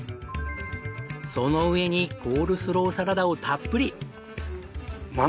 その上にコールスローサラダをたっぷり！